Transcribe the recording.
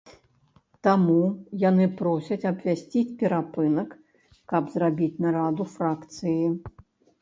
Таму яны просяць абвясціць перапынак, каб зрабіць нараду фракцыі.